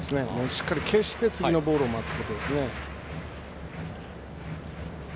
しっかり消して次のボールを待つことですね。